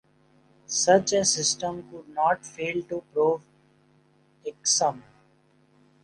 Such a system could not fail to prove irksome.